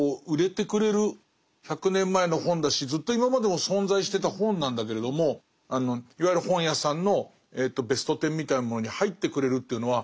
１００年前の本だしずっと今までも存在してた本なんだけれどもいわゆる本屋さんのベスト１０みたいなものに入ってくれるというのは